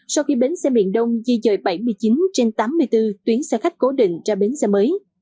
sau khi bến xe miền đông di dời bảy mươi chín trên tám mươi bốn tuyến xe khách cố định ra bến xe mới